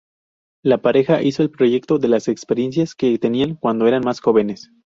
La pareja hizo el proyecto de las experiencias que tenían cuando eran más jóvenes.